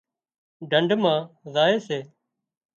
ڍنڍ مان زائي سي